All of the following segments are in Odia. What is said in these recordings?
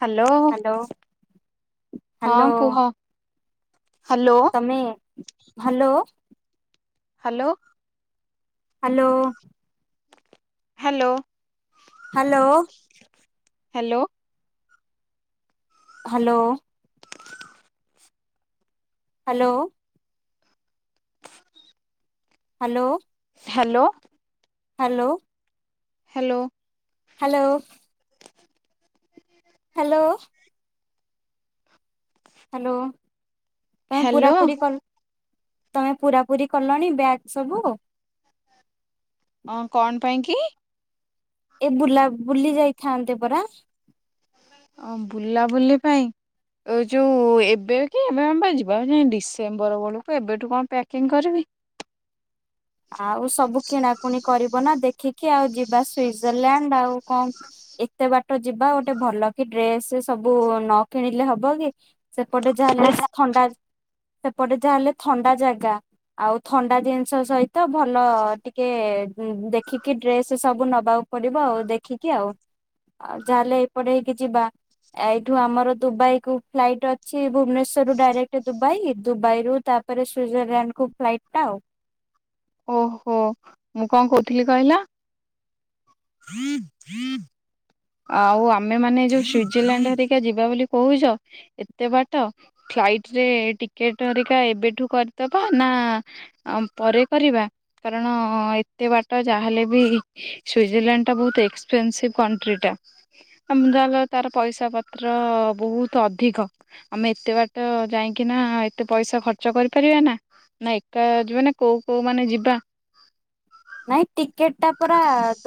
ହ୍ୟାଲୋ ହଁ ହ୍ୟାଲୋ କୁହ। ହ୍ୟାଲୋ। ମେ hello. Hello. Hello. Hello. Hello. Hello. Hello. Hello. Hello. Hello. Hello. Hello. Hello. Hello. Hello କାଁଇଁ ହାଲୋ ପୁରାପୁରି କଲ ତମେ ପୁରା ପୁରି କଲଣି ବ୍ୟାଗ ସବୁ। ଅଁ କଣ ପାଇଁ କି। ଏ ବୁଲା ବୁଲି ଯାଇଥାନ୍ତେ ପରା। ଓ ବୁଲାବୁଲି ପାଇଁ। ଏ ଯୋଉ ଏବେ କି ଏବେ ଆମପା ଯିବା ଡିସେମ୍ବର ବେଳକୁ ଏବେଠୁ କଣ ପ୍ୟାକିଂ କରିବି। ଆଉ ସବୁ କିଣାକୁଣି କରିବ ନା ଦେଖିକି ଆଉ ଯିବା ସୁଇଜରଲ୍ୟାଣ୍ଡ ଆଉ କଣ ଏତେ ବାଟ ଯିବା ଗୋଟେ ଭଲ କି ଡ୍ରେସ ସବୁ ନ କିଣିଲେ ହବ କି। ସେପଟେ ଯାହା ହେଲେ ଥଣ୍ଡା ସେପଟେ ଯାହା ହେଲେ ଥଣ୍ଡା ଜାଗା ଆଉ ଥଣ୍ଡା ଜିନିଷ ସହିତ ତ ଭଲ ଟିକେ ଦେଖିକି ଡ୍ରେସ ସବୁ ନବାକୁ ପଡିବ ଆଉ ଦେଖିକି ଆଉ। ଆଉ ଯାହେଲେ ଏପଟେ ହେଇକି ଯିବା। ଏଇଠୁ ଆମର ଦୁବାଇ କୁ ଫ୍ଲାଇଟ୍ ଅଛି ଭୁବନେଶ୍ଵରରୁୁ ଡାଇରେକ୍ଟ ଦୁବାଇ ଦୁବାଇ ରୁ ତା ତା ପରେ ସୁଇଜରଲ୍ୟାଣ୍ଡ କୁ ଫ୍ଲାଇଟ୍ ଟା ଆଉ। ଓହୋ ମୁଁ କଣ କହୁଥିଲି କହିଲ। ଆଉ ଆମେ ମାନେ ଯୋଉ ସୁଇଜରଲ୍ୟାଣ୍ଡ ହରିକା ଯିବା ବୋଲି କହୁଚ ଏତେ ବାଟ ଫ୍ଲାଇଟ ରେ ଟିକେଟଅରିକା ଏବେଠୁ କରିଦବା ନା ଆଉ ପରେ କରିବା। କାରଣ ଏତେ ବାଟ ଯାହାହେଲେ ବି ସୁଇଜରଲ୍ୟାଣ୍ଡ ଟା ବହୁତ ଏକ୍ସପେନସିଭ କଣ୍ଟ୍ରି। ଟା ଯା ତାର ପଇସା ପତ୍ର ବହୁତ ଅଧିକ। ଆମେ ଏତେ ବାଟ ଯାଇକି ନା ଏତେ ପଇସା ଖର୍ଚ୍ଚ କରିପାରିବା ନା। ନା ଏକା ଯିବା ନା କୋଉ କୋଉ ମାନେ ଯିବା? ନାଇଁ ଟିକେଟ ଟା ପରା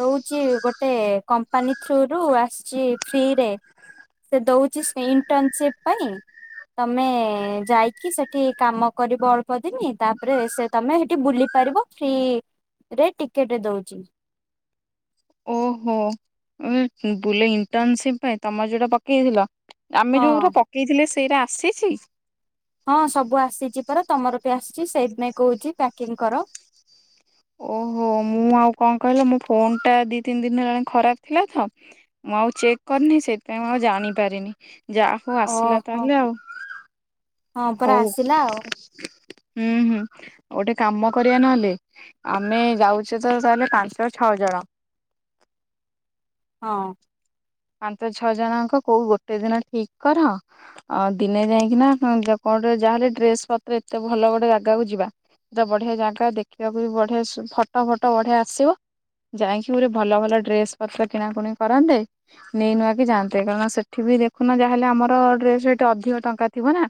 ଦଉ ଚି ଗୋଟେ କମ୍ପାନୀ ଥ୍ରୁ ରୁ ଆସିଚି ଫ୍ରିରେ। ସେ ଦଉଚି ସେଇଣ୍ଟନସିପ ପାଇଁ। ତମେ ଯାଇକି ସେଠି କାମ କରିବ ଅଳ୍ପ ଦିନି ତାପରେ ସେ ତମେ ହେଠି ବୁଲି ପାରିବ ଫ୍ରି ରେ ଟିକେଟ ଦଉଚି। ଓହୋ ବୋଲି ଇଣ୍ଟନସିପ ପାଇଁ ତମର ଯୋଉଟା ପକେଇଥିଲ। ହଁ ଆମେ ଯଉଗୁରା ପକେଇଥିଲେ ସେଇରା ଆସିଛି। ହଁ ସବୁ ଆସିଛି ପରା ତମର ପି ଆସିଚି ସେଇଥିପାଇଁ କହୁଛି ପ୍ୟାକିଂ କର। ଓହୋ ମୁଁ ଆଉ କଣ କହିଲ ମୋ ଫୋନ ଟା ଦି ତିନି ଦିନ ହେଲାଣି ଖରାପ ଥିଲା ତ। ମୁଁ ଆଉ ଚେକ୍ କରିନି ସେଥିପାଇଁ ମୁଁ ଆଉ ଜାଣିପାରିନି ଯା ହ ଆସିଲା ଓହୋ ତାହେଲେ ଆଉ ହଁ ପରା ହଉ। ଆସିଲା ଆଉ ଉଁ ହୁଁ ଗୋଟେ କାମ କରିବା ନହେଲେ ଆମେ ଯାଉଛେ ତ ତାହେଲେ ପାଞ୍ଚ ଛଅ ଜଣ। ହଁ। ପାଞ୍ଚ ଛଅ ଜଣଙ୍କ କୋଉ ଗୋଟେ ଦିନ ଠିକ କର। ଅଁ ଦିନେ ଯାଇଁକି ନା [unintelligible] କଣ ଗୋଟେ ଯାହାହେଲେ ଡ୍ରେସ ପତ୍ର ଏତେ ଭଲ ଗୋଟେ ଜାଗାକୁ ଯିବା। ତ ବଢିଆ ଜାଗା ଦେଖିବାକୁ ବି ବଢିଆ ସ ଫଟ ଫଟ ବଢିଆ ଆସିବ। ଯାଇଁକି ଗୁରେ ଭଲ ଭଲ ଡ୍ରେସ୍ ପତ୍ର କିଣାକୁଣି କରନ୍ତେ। ନେଇ ନୂଆ କି ଯାଆନ୍ତିେ କାରଣ ସେଠି ବି ଦେଖୁନ ଯାହାହେଲେ ଆମର ଡ୍ରେସ୍‌ ହେଟି ଅଧିକ ଟଙ୍କା ଥିବ ନା।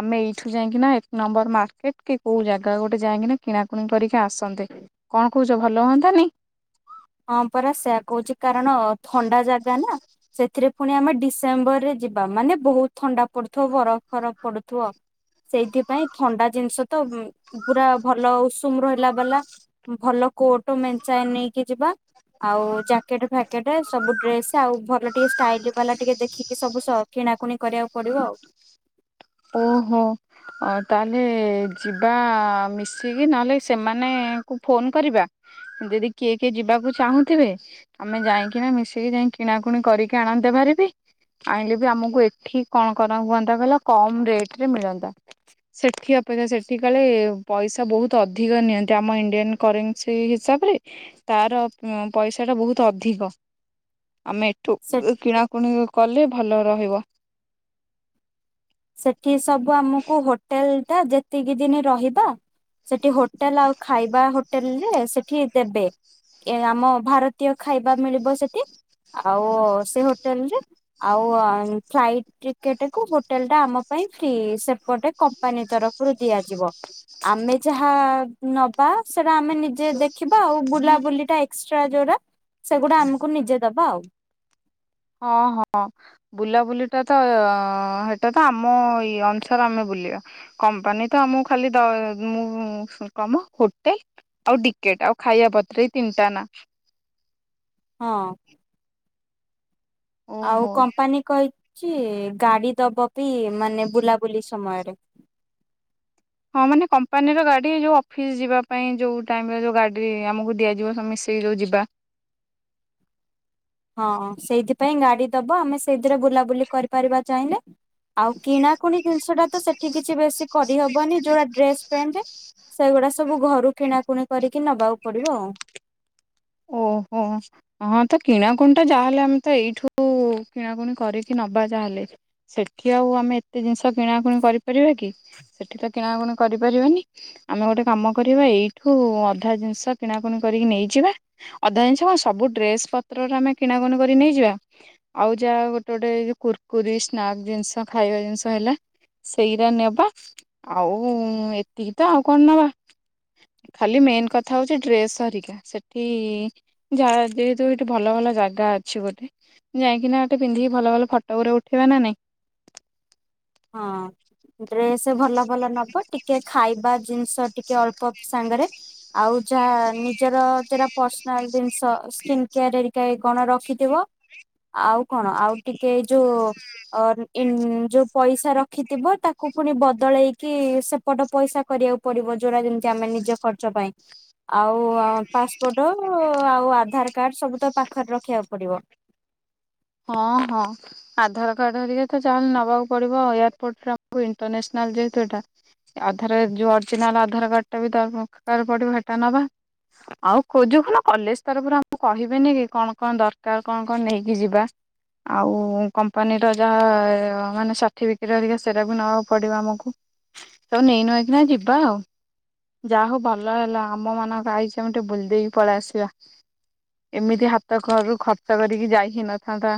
ଆମେ ଏଇଠୁ ଯାଇକିନା ଏକ ନମ୍ବର ମାର୍କେଟ କି କୋଉ ଜାଗା ଗୋଟେ ଯାଇକିନା କିଣାକୁଣି କରିକି ଆସନ୍ତେ। କଣ କୋହୁଚ ଭଲ ହୁଅନ୍ତାନି? ହଁ ପରା ସେୟା କୋହୁଚି କାରଣ ଥଣ୍ଡା ଜାଗା ନା ସେଥିରେ ପୁଣି ଆମେ ଡିସେମ୍ବରରେ ଯିବା ମାନେ ବୋହୁତ ଥଣ୍ଡା ପଡୁଥିବ ବରଫ ଫରଫ ପଡୁଥିବ। ସେଇଥିପାଇଁ ଥଣ୍ଡା ଜିନିଷ ତ ପୁରା ଭଲ ଉଷୁମ ରହିଲା ବାଲା ଭଲ କୋଟ୍ ମେଞ୍ଚାଏ ନେଇକି ଯିବା। ଆଉ ଜ୍ୟାକେଟ୍ ଫ୍ୟାକେଟ୍ ସବୁ ଡ୍ରେସ୍ ଆଉ ଭଲ ଟିକେ ଷ୍ଟାଇଲ ବାଲା ଟିକେ ଦେଖିକି ସବୁ ସ କିଣାକୁଣି କରିବାକୁ ପଡିବ ଆଉ। ଓହୋ। ଅ ତାହେଲେ ଯିବା ମିଶିକି ନହେଲେ ସେମାନ ଙ୍କୁ ଫୋନ୍ କରିବା। ଯଦି କିଏ କିଏ ଯିବାକୁ ଚାହୁଁଥିବେ ଆମେ ଯାଇକି ନା ମିଶିକି ଯାଇ କିଣାକୁଣି କରିକି ଆଣନ୍ତେ ଭାରିବି। ଆଇଁଲେ ବି ଆମକୁ ଏଠି କଣ କରା ହୁଅନ୍ତା କହିଲ କମ୍ ରେଟରେ ମିଳନ୍ତା। ସେଠି ଅପେକ୍ଷା ସେଠି କାଳେ ପଇଷା ବୋହୁତ ଅଧିକ ନିଅନ୍ତି। ଆମ ଇଣ୍ଡିଆନ୍ କରେସିଂ ହିସାବରେ ତାର ଉଁ ପଇଷାଟା ବୋହୁତ ଅଧିକ। ଆମେ ଠୁ ସେ କିଣାକୁଣି କଲେ ଭଲ ରହିବ। ସେଠି ସବୁ ଆମକୁ ହୋଟେଲ ଟା ଯେତିକି ଦିନି ରହିବା। ସେଠି ହୋଟେଲ ଆଉ ଖାଇବା ହୋଟେଲରେ ସେଠି ଦେବେ। ଏ ଆମ ଭାରତୀୟ ଖାଇବା ମିଳିବ ସେଠି। ଆଉ ସେ ହୋଟେଲରେ ଆଉ ଆଁ ଫ୍ଲାଇଟ୍ ଟିକେଟ୍ କୁ ହୋ ହୋଟେଲଟା ଆମ ପାଇଁ ଫ୍ରି। ସେପଟେ କମ୍ପାନୀ ତରଫରୁ ଦିଆଯିବ। ଆମେ ଯାହା ନବା ସେଟା ଆମେ ନିଜେ ଦେ ଦେଖିବା ଆଉ ବୁଲାବୁଲି ଟା ଏକ୍ସଟ୍ରା ଯୋଉଟା ସେଗୁଡା ଆମକୁ ନିଜେ ଦବା ଆଉ। ହଁ ହଁ। ବୁଲାବୁଲିଟା ତ ଅ ହେଟା ତ ଆମ ଏଇ ଅନୁସାରେ ଆମେ ବୁଲିବା। କମ୍ପାନୀ ତ ଆମକୁ ଖାଲି ଦ ମୁଁ ହୁଁ କମ ହୋଟେ ଆଉ ଡିକେଟ୍ ଆଉ ଖାଇବା ପତ୍ର ଏଇ ତିନିଟା ନା ହଁ। ଆଉ ଓହୋ କମ୍ପାନୀ କହିଚି ଗାଡି ଦବ ବି ମାନେ ବୁଲାବୁଲି ସମୟରେ। ହଁ ମାନେ କମ୍ପାନୀର ଗାଡି ଯୋଉ ଅଫିସ୍ ଯିବା ପାଇଁ ଯୋଉ ଟାଇମରେ ଯୋଉ ଗାଡି ଆମକୁ ଦିଆଯିବ ସବୁ ମିଶି ସେ ଯୋଉ ଯିବା। ହଁ ସେଇଥିପାଇଁ ଗାଡି ଦବ ଆମେ ସେଇଥିରେ ବୁଲାବୁଲି କରିପାରିବା ଚାହିଁଲେ। ଆଉ କିଣାକୁଣି ଜିନିଷ ଟା ତ ସେଠି କିଛି ବେଶୀ କରିହବନି ଯୋଉଟା ଡ୍ରେସ୍ ପେଣ୍ଟ ସେଗୁଡା ସବୁ ଘରୁ କିଣାକୁଣି କରିକି ନବାକୁ ପଡିବ ଆଉ। ଓହୋ। ହଁ ତ କିଣାକୁଣି ଟା ଯାହାହେଲେ ଆମେ ତ ଏଇଠୁ କିଣାକୁଣି କରିକି ନବା ଯାହାହେଲେ। ସେଠି ଆଉ ଆମେ ଏତେ ଜିନିଷ କିଣାକୁଣି କରିପାରିବା କି ସେଠି ତ କିଣାକୁଣି କରିପାରିବାନି। ଆମେ ଗୋଟେ କାମ କରିବା ଏଇଠୁ ଅଧା ଜିନିଷ କିଣାକୁଣି କରିକି ନେଇଯିବା। ଅଧା ଜିନିଷ କଣ ସବୁ ଡ୍ରେସ ପତ୍ରରା ଆମେ କିଣାକୁଣି କରି ନେଇଯିବା। ଆଉ ଯାହା ଗୋଟେ ଗୋଟେ କୁୁରକୁରି ସ୍ନାକ୍ ଜିନିଷ ଖାଇବା ଜିନିଷ ହେଲା। ସେଇରା ନେବା ଆଉ ଏତିକି ତ ଆଉ କଣ ନବା। ଖାଲି ମେନ୍ କଥା ହଉଛି ଡ୍ରେସ୍ ହରିକା ସେ କି [inaudible] ଯଉ ହେଠି ଭଲ ଭଲ ଜାଗା ଅଛି ବୋଧେ। ଯାଇଁକିନା ହେଠି ପିନ୍ଧିକି ଭଲ ଭଲ ଫଟ ଗୁରେ ଉଠେଇବା ନା ନାଇଁ? ହଁ। ଡ୍ରେସ ଭଲ ଭଲ ନବ, ଟିକେ ଖାଇବା ଜିନିଷ, ଟିକେ ଅଳ୍ପ ବି ସାଙ୍ଗରେ ଆଉ ଯାହା ନିଜର ଜଉରା ପର୍ସନାଲ ଜିନିଷ ସ୍କିନ୍ କେୟାର ହେରିକାକି କଣ ରଖିଥିବ। ଆଉ କଣ ଆଉ ଟିକେ ଏଇ ଯୋଉ ଅ ଇନ ଯୋ ପଇସା ରଖିଥିବ ତାକୁ ପୁଣି ବଦଳେଇକି ସେପଟ ପଇସା କରିବାକୁ ପଡିବ ଯଉରା ଯେମତି ଆମେ ନିଜ ଖର୍ଚ୍ଚ ପାଇଁ। ଆଉ ପାସପୋର୍ଟ ଆଉ ଆଧାର କାର୍ଡ ସବୁ ତ ପାଖରେ ରଖିବାକୁ ପଡିବ। ହଁ, ହଁ। ଆଧାର କାର୍ଡ ହେରିକା ତ ଯାହାହେଲେ ନେବାକୁ ପଡିବ ଏୟାରପୋର୍ଟରେ ଆମକୁ ଇଣ୍ଟରନେସନାଲ ଯେହେତୁ ଏଇଟା। ଆଧାରରେ ଯୋଉ ଅରିଜିନାଲ ଆଧାର କାର୍ଡ ଟା ବି ଦରକାର ପଡିବ ହେଟା ନବା। ଆଉ ଖୋଜ କ ନା କଲେଜ ତରଫରୁ ଆମକୁ କହିବେନି କି, କଣ, କଣ ଦରକାର କଣ, କଣ ନେଇକି ଯିବା। ଆଉ କମ୍ପାନୀର ଯାହା ମାନେ ସାର୍ଟିଫିକେଟ୍ ହରିକା ସେରା ବି ନବାକୁ ପଡ଼ିବ ଆମକୁ। ସବୁ ନେଇ ନୁଆଁ କିନା ଯିବା ଆଉ। ଯାହା ହଉ ଭଲ ହେଲା ଆମ ମାନଙ୍କ ଆଇଚି ଆମେ ଟିକେ ବୁଲି ଦେଇକି ପଳେଇ ଆସିବା। ଏମିତି ହାତ ଘରୁ ଖର୍ଚ୍ଚ କରିକି ଯାଇ ହେଇ ନଥାନ୍ତା।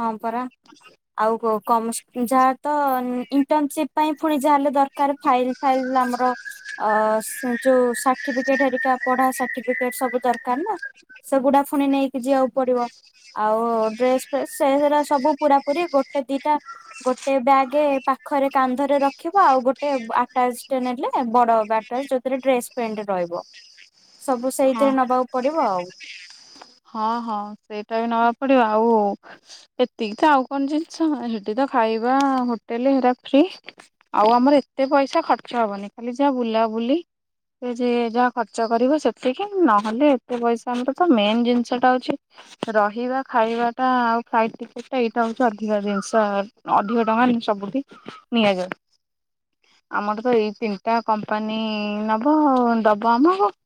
ହଁ ପରା। ଆଉ କ କମ ଯାହା ତ ଇଣ୍ଟନସିପ ପାଇଁ ପୁଣି ଯାହା ହେଲେ ଦରକାର ଫାଇଲ। ଫାଇଲ ଲ ଆମର ଅ ଯୋଉ ସାର୍ଟିଫିକେଟହେରିକା ପଢା ସାର୍ଟିଫିକେଟ ସବୁ ଦରକାର ନା? ସେଗୁଡା ଫୁଣି ନେଇକି ଯିବାକୁ ପଡିବ, ଆଉ ଡ୍ରେସ ସେ ସବୁ ପୁରାପୁରି ଗୋଟେ ଦିଟା ଗୋଟେ ବ୍ୟାଗ୍ ପାଖରେ କାନ୍ଧରେ ରଖିବ ଆଉ ଗୋଟେ ଆଟାଚଟେ ନେଲେ ବଡ ବ୍ୟାଗ୍। ଯୋଉଥିରେ ଡ୍ରେସ୍ ପେଣ୍ଟ ରହିବ ସବୁ ହଁ। ସେଇଥିରେ ନବାକୁ ପଡିବ ଆଉ। ହଁ, ହଁ ସେଇଟା ବି ନବାକୁ ପଡିବ ଆଉ। ଏତିକି ତ ଆଉ କଣ ଜିନିଷ ସେଠି ତ ଖାଇବା ହୋଟେଲ ହେରା ଫ୍ରି। ଆଉ ଆମର ଏତେ ପଇସା ଖର୍ଚ୍ଚ ହବନି ଖାଲି ଯାହା ବୁଲାବୁଲି। ସେ ଯେ ଯାହା ଖର୍ଚ୍ଚ କରିବ ସେତିକି ନହେଲେ ଏତେ ପଇସା ଆମର ତ ମେନ୍ ଜିନିଷ ଜିନିଷଟା ହଉଛି ରହିବା ଖାଇବା ଟା ଆଉ ଫ୍ଲାଇଟ ଟିକେଟ ଟା ଏଇଟା ହଉଛି ଅଧିକା ଜିନିଷ। ଅଧିକ ଟଙ୍କା ସବୁଠି ନିଆଯାଏ। ଆମର ତ ଏଇ ତିନିଟା କମ୍ପାନୀ ନବ ଦବ ଆମକୁ।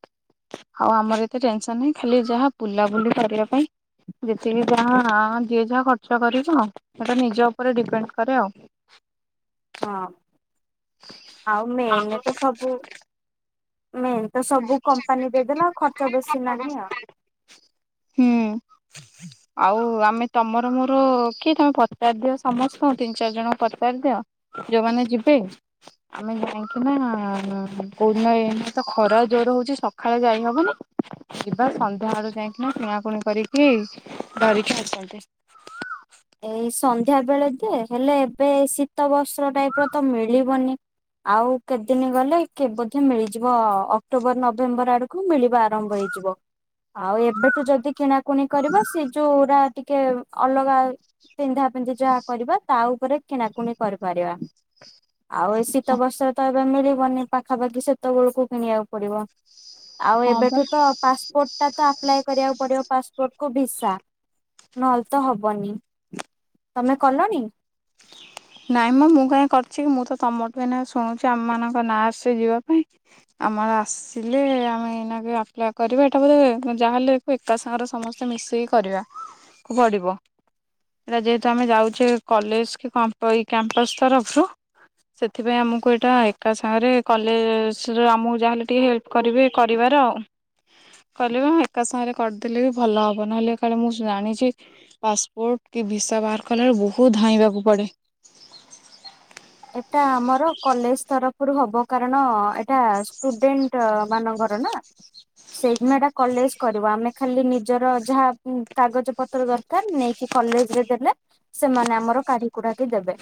ଆଉ ଆମର ଏତେ ଟେନସନ ନାହିଁ ଖାଲି ଯାହା ବୁଲାବୁଲି କରିବା ପାଇଁ। ଯେତିକି ଯାହା ଯିଏ ଯାହା ଖର୍ଚ୍ଚ କରିବ ସେଟା ନିଜ ଉପରେ ଡିପେଣ୍ଡ କରେ ଆଉ। ହଁ ଆଉ ମେନରେ ତ ସବୁ। ମେନ୍ ତ ସବୁ କମ୍ପାନୀ ଦେଇଦେଲାଆଉ ଖର୍ଚ୍ଚ ବେଶି ନାହିଁ ଆଉ। ହୁଁ ଆଉ ଆମେ ତମର ମୋର କି ତମେ ପଚାରି ଦିଅ ସମସ୍ତଙ୍କୁ ତିନି ଚାରି ଜଣଙ୍କୁ ପଚାରି ଦିଅ। ଯୋଉମାନେ ଯିବେ, ଆମେ ଯାଇକିନା କୋଉଦିନ ଏମତି ତ ଖରା ଜୋର ହଉଛି, ସକାଳେ ଯାଇହବନି, ଯିବା ସନ୍ଧ୍ୟାବେଳେ ଯାଇକିନା କିଣାକୁଣି କରିକି ଧରିକି ଆସନ୍ତି। ଏଇ ସନ୍ଧ୍ୟାବେଳେ ଯେ, ହେଲେ ଏବେ ଶୀତ ବସ୍ତ୍ର ଟାଇପର ତ ମିଳିବନି। ଆଉ କେତେଦିନ ଗଲେ କେ ବୋଧ ମିଳିଯିବ ଅକ୍ଟୋବର ନଭେମ୍ବର ଆଡକୁ। ଠୁ ମିଳିବା ଆରମ୍ଭ ହେଇଯିବ। ଆଉ ଏବେଠୁ ଯଦି କିଣାକୁଣି କରିବ, ସେ ଯୋଉରା ଟିକେ ଅଲଗା ପିନ୍ଧା ପିନ୍ଧି ଯାହା କରିବା ତା ଉପରେ କିଣାକୁଣି କରିପାରିବା। ଆଉ ଏ ଶୀତ ବସ୍ତ୍ର ତ ଏବେ ମିଳିବନି ପାଖାପାଖି ସେତେବେଳକୁ କିଣିବାକୁ ପଡିବ। ଆଉ ହଁ ବା ଏବେଠୁ ତ ପାସପୋର୍ଟ ଟା ତ ଆପ୍ଲାଏ କରିବାକୁ ପଡିବ, ପାସପୋର୍ଟ କୁ ଭିସା ନହେଲେ ତ ହବନି। ତମେ କଲଣି? ନାଇଁ ମ ମୁଁ କାଇଁ କରିଚିକି ମୁଁ ତ ତମଠୁ ଏଇନା ଶୁଣୁଛି ଆମ ମାନଙ୍କ ନା ଆସି ଯିବା ପାଇଁ। ଆମର ଆସିଲେ ଆମେ ଏଇନା କେ ଆପ୍ଲାଏ କରିବା ଏଇଟା ବୋଧ ଯାହାହେଲେ ଏକା ସାଙ୍ଗରେ ସମସ୍ତେ ମିଶେଇିକି କରିବା କୁ ପଡିବ। ଏଟା ଯେହେତୁ ଆମେ ଯାଉଛେ କଲେଜ କି କ୍ୟାମ୍ପସ ତରଫରୁ। ସେଥିପାଇଁ ଆମକୁ ଏଇଟା ଏକା ସାଙ୍ଗରେ କଲେଜରେ ଆମକୁ ଯାହାହେଲେ ଟିକେ ହେ କରିବେ କରିବାର ଆଉ। କହିଲି ବା ଏକା ସାଙ୍ଗରେ କରିଦେଲେ ବି ଭଲ ହେବ ନହେଲେ କାଳେ ମୁଁ ଜାଣିଛି ପାସପୋର୍ଟ କି ଭିସା ବାହାର କଲାବେଳକୁ ବହୁତ ଧାଇଁବାକୁ ପଡେ। ଏଟା ଆମର କଲେଜ ତରଫରୁ ହବ। କାରଣ ଏଟା ଷ୍ଟୁଡେଣ୍ଟ ମାନଙ୍କର ନା। ସେଇଦିନଟା କଲେଜ କରିବ, ଆମେ ଖାଲି ନିଜର ଯାହା କାଗଜ ପତ୍ର ଦରକ କାର ନେଇକି କଲେଜ ରେ ଦେଲେ ସେମାନେ ଆମର କାଢି କୁଡା କି ଦେବେ।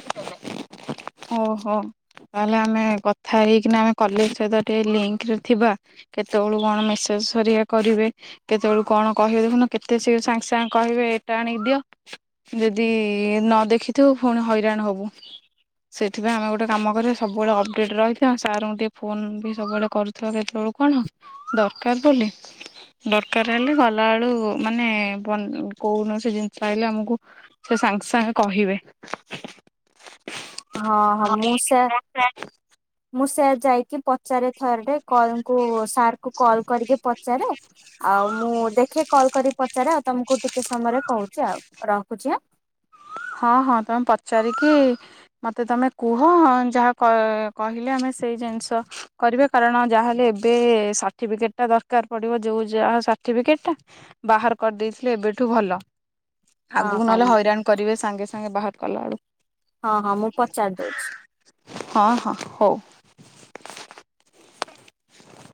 ଓହୋ ତାହେଲେ ଆମେ କଥା ହେଇକିନା ଆମେ କଲେଜ ସହିତ ଟିକେ ଲିଙ୍କରେ ଥିବା। କେତେବେଳୁ କଣ ମେସେଜ ହେରିକା କରିବେ। କେତେବେଳକୁ କଣ କହିବେ ଦେଖୁନ କେତେ ସ-ସାଙ୍ଗେ ସାଙ୍ଗେ କହିବେ ଏଇଟା ଆଣିକି ଦିଅ। ଯଦି ନ ଦେଖିଥିବ ପୁଣି ହଇରାଣ ହବୁ। ସେଥିପାଇଁ ଆମେ ଗୋଟେ କାମ କରିବା ସବୁବେଳେ ଅପଡେଟ ରହିଥିବା, ସାରଙ୍କୁ ଟିକେ ଫୋନ ବି ସବୁବେଳେ କରୁ କେତେବେଳୁ କଣ ଦରକାର ବୋଲି। ଦରକାର ହେଲେ ଗଲା ବେଳୁ ମାନେ କୌଣସି ଜିନିଷ ଆଇଲେ ଆମକୁ ସେ ସାଙ୍ଗେ ସାଙ୍ଗେ କହିବେ। ହଁ ହଁ ମୁଁ ସେ ହଁ ମୁଁ ସେୟା ଯାଇକି ପଚାରେ ଥରଟେ କଲ କୁ ସାର୍ କୁ କଲ କରିକି ପଚାରେ। ଆଉ ମୁଁ ଦେଖେ କଲ କରି ପଚାରେ ଆଉ ତମକୁ ଟିକେ ସମୟରେ କହୁଚି ଆଉ, ରଖୁଛି ଆ ହଁ ହଁ ତମେ ପଚାରିକି ମୋତେ ତମେ କୁହ ଯାହା କ କହିଲେ ଆମେ ସେଇ ଜିନିଷ କରିବେ କାରଣ ଯାହାହେଲେ ଏବେ ସାର୍ଟିଫିକେଟ ଟା ଦରକାର ପଡିବ, ଯୋଉ ଯାହା ସାର୍ଟିଫିକେଟ ଟା। ବାହାର କରିଦେଇଥିଲେ ଏବେଠୁ ଭଲ। ହଁ ଆଗକୁ ହଁ ନହେଲେ ହଇରାଣ କରିବେ ସାଙ୍ଗେ ସାଙ୍ଗେ ବାହାର କଲା ବେଳକୁ। ହଁ ହଁ ମୁଁ ପଚାରି ଦଉଛି। ହଁ ହଁ ହଉ।